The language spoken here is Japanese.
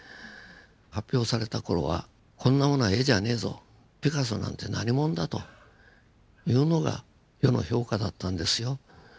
発表された頃はこんなものは絵じゃねえぞピカソなんて何者だというのが世の評価だったんですよ。